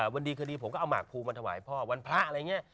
วันดีคืนดีผมก็เอาหมากภูมิมาถวายพ่อวันพระอะไรอย่างนี้